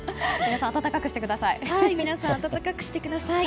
皆さん、暖かくしてください。